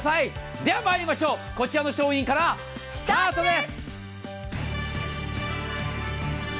ではまいりましょう、こちらの商品からスタートです。